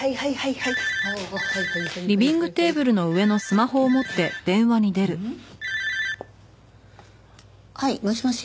はいもしもし？